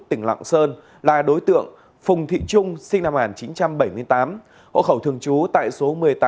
tỉnh lạng sơn là đối tượng phùng thị trung sinh năm một nghìn chín trăm bảy mươi tám hộ khẩu thường trú tại số một mươi tám